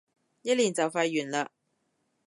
一年就快完嘞